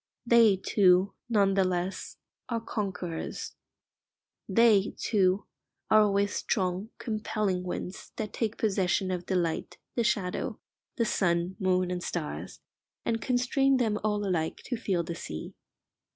They, too, none the less, are conquerors. They, too, are always strong, compelling winds that take possession of the light, the shadow, the sun, moon, and stars, and constrain them all alike to feel the sea.